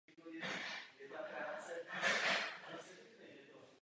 Z domácí stránky vedou odkazy na další webové stránky daného webu.